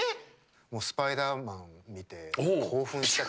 「スパイダーマン」見て興奮した。